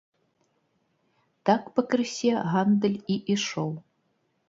Так пакрысе гандаль і ішоў.